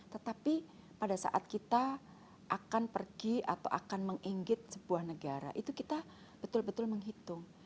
tetapi pada saat kita akan pergi atau akan meng enggit sebuah negara itu kita betul betul menghitung